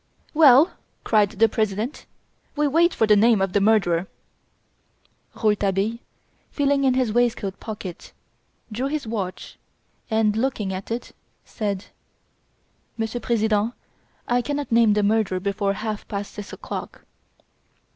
"Well," cried the President, "we wait for the name of the murderer." Rouletabille, feeling in his waistcoat pocket, drew his watch and, looking at it, said: "Monsieur President, I cannot name the murderer before half past six o'clock!"